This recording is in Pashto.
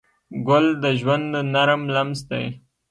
ګل د ژوند نرم لمس دی.